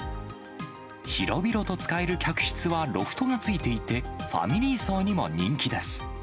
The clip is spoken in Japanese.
広々と使える客室はロフトが付いていて、ファミリー層にも人気です。